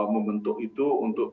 membentuk itu untuk